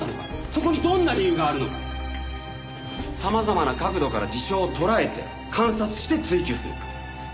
そこにどんな理由があるのか様々な角度から事象を捉えて観察して追及する。